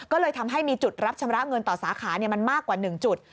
ก็เลยทำให้มีจุดรับชำระเงินต่อสาขามันมากกว่า๑จุด